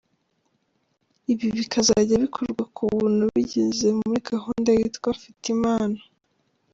Ibi bikazajya bikorwa kubuntu binyuze muri gahunda yitwa ;Mfite Impano ;.